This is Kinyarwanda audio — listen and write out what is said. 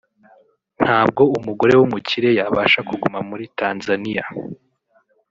ntabwo umugore w’umukire yabasha kuguma muri Tanzaniya